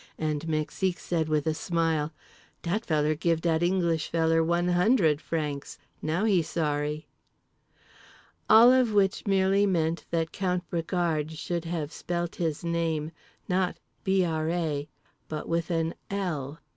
And Mexique said with a smile: "Dat feller give dat English feller one hundred francs. Now he sorry." All of which meant merely that Count Bragard should have spelt his name, not Bra , but with an l.